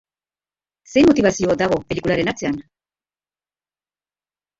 Zein motibazio dago pelikularen atzean?